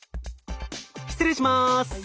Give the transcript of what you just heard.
失礼します！